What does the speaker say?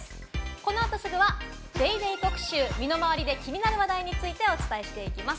この後すぐは「ＤａｙＤａｙ．特集」、身の回りで気になる話題についてお伝えしていきます。